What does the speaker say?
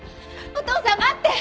お父さん待って！